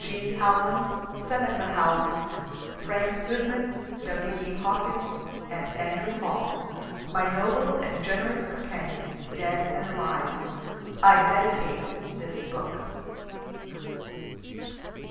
G. Howland, Seneca Howland, Frank Goodman, W. E. Hawkins, and Andrew Hall my noble and generous companions, dead and alive, I dedicate this book.